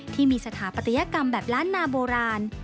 ที่มีสถาปัตยกรรมแบบล้านนาโบราณ